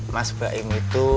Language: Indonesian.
mas baim itu